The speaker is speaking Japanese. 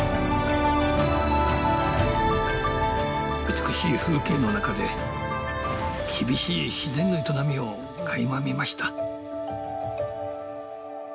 美しい風景の中で厳しい自然の営みをかいま見ました。